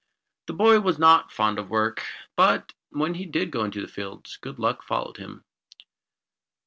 The boy was not fond of work, but when he did go into the fields, Good Luck followed him.